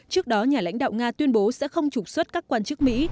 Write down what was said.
trước đó nhà lãnh đạo nga tuyên bố sẽ không trục xuất các quan chức mỹ